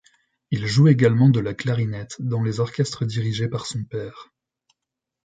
Il joue également de la clarinette dans les orchestres dirigés par son père.